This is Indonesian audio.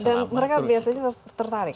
dan mereka biasanya tertarik